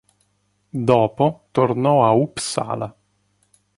Dopo, tornò a Uppsala.